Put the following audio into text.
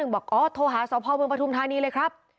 ๑๙๑บอกโอ้โหโทรหาสาวพ่อเมืองประทุมทางนี้เลยครับ